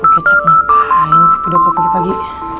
kecap ngapain sih udah kok pagi pagi